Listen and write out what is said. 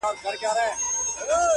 زموږ ملا صاحب هغه زړه سرُنا وايي,